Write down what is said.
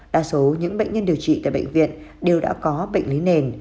đa số những bệnh nhân điều trị tại bệnh viện đều đã có bệnh lý nền